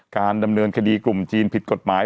การดำเนินคดีกลุ่มจีนผิดกฎหมาย